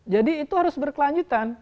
jadi itu harus berkelanjutan